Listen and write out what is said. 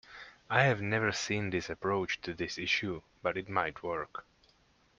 I have never seen this approach to this issue, but it might work.